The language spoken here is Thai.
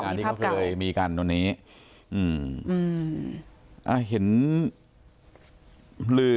งานที่เขาเคยมีกันตรงนี้อืมอืม